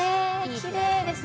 きれいですね。